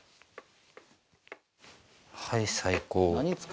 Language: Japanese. はい最高。